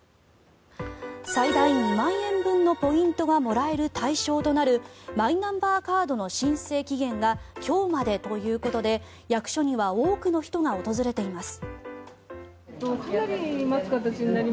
最大２万円分のポイントがもらえる対象となるマイナンバーカードの申請期限が今日までということで役所には多くの人が訪れています。